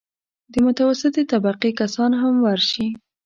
د متوسطې طبقې کسان هم ورشي.